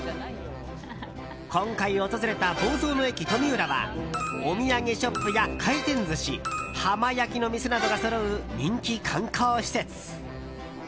今回訪れた房総の駅とみうらはお土産ショップや回転寿司浜焼きの店などがそろう人気観光施設。